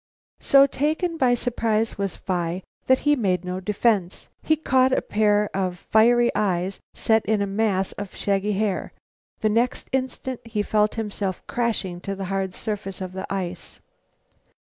So taken by surprise was Phi that he made no defense. He caught a vision of a pair of fiery eyes set in a mass of shaggy hair; the next instant he felt himself crashed to the hard surface of the ice.